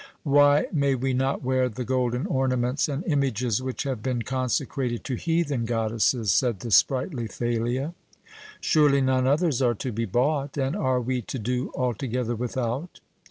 "Why may we not wear the golden ornaments and images which have been consecrated to heathen goddesses?" said the sprightly Thalia; "surely none others are to be bought, and are we to do altogether without?"